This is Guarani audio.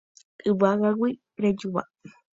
Yvágagui rejúva